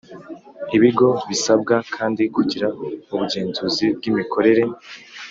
Ibigo bisabwa kandi kugira ubugenzuzi bw'imikorere